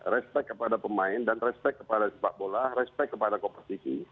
respect kepada pemain dan respect kepada sepak bola respect kepada kompetisi